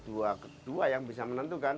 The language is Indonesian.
dua kedua yang bisa menentukan